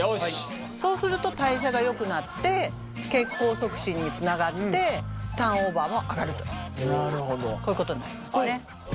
そうすると代謝がよくなって血行促進につながってターンオーバーも上がるというこういうことになりますね。